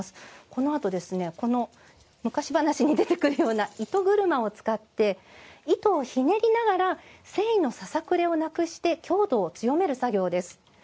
このあと、昔話に出てくるような糸車を使って糸をひねりながら繊維のささくれをなくして強度を強める作業です。